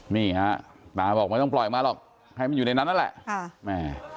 นี่ฮะตาบอกไม่ต้องปล่อยออกมาหรอกให้มันอยู่ในนั้นนั่นแหละค่ะแม่